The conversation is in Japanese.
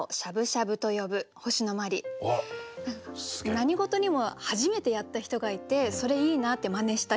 何事にも初めてやった人がいてそれいいなって真似した人。